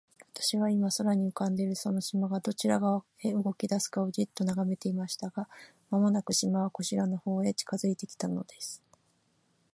私は、今、空に浮んでいるその島が、どちら側へ動きだすかと、じっと眺めていました。が、間もなく、島はこちらの方へ近づいて来たのです。